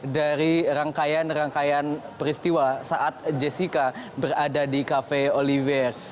dari rangkaian rangkaian peristiwa saat jessica berada di cafe oliver